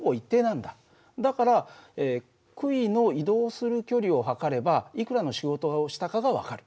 だからくいの移動する距離を測ればいくらの仕事をしたかが分かる。